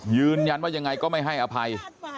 ยืนยันว่ายังไงก็ไม่ให้อภัย